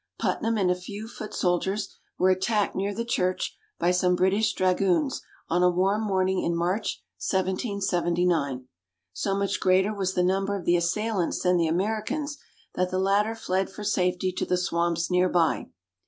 Putnam and a few foot soldiers were attacked near the church by some British dragoons on a warm morning in March, 1779. So much greater was the number of the assailants than the Americans, that the latter fled for safety to the swamps near by.